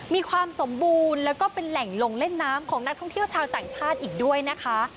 มีความสมบูรณ์แล้วก็เป็นแหล่งลงเล่นน้ำของนักท่องเที่ยวชาวต่างชาติอีกด้วยนะคะ